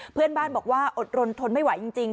เพื่อนบ้านบอกว่าอดรนทนไม่ไหวจริง